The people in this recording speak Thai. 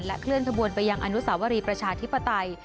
เคลื่อนขบวนไปยังอนุสาวรีประชาธิปไตย